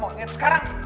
kamu mau lihat sekarang